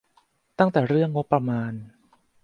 ตั้งแต่เรื่องงบประมาณ